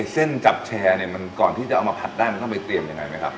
เส้นจับแชร์เนี่ยมันก่อนที่จะเอามาผัดได้มันต้องไปเตรียมยังไงไหมครับ